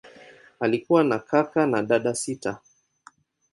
Alikuwa na kaka na dada sita.